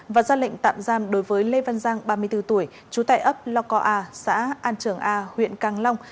và ra lệnh tạm giam đối với lê văn giang ba mươi bốn tuổi chú tẩy ấp lò co a xã an trường a huyện càng long